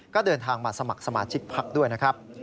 ก็เดินทางมาสมัครสมาชิกพักด้วยนะครับ